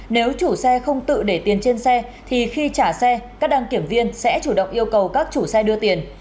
nếu chủ xe không tự để tiền trên xe thì khi trả xe các đăng kiểm viên sẽ chủ động yêu cầu các chủ xe đưa tiền